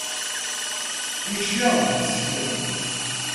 Güçlü olmak istiyorum.